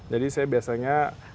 jadi saya biasanya